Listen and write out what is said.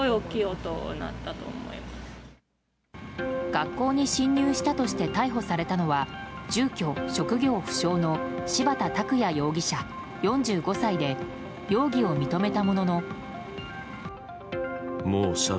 学校に侵入したとして逮捕されたのは住居・職業不詳の柴田卓也容疑者、４５歳で容疑を認めたものの。